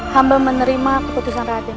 hamba menerima keputusan raden